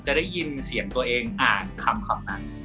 จะได้ยินเสียงตัวเองอ่านคำนั้น